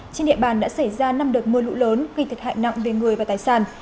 trên địa bàn đã xảy ra năm đợt mưa lũ lớn gây thiệt hại nặng về người và tài sản